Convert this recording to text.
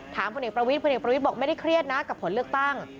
ถามพนักประวิธพนักประวิธบอกไม่ได้เครียดนะกับผลเลือกตั้ง